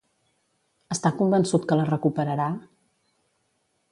Està convençut que la recuperarà?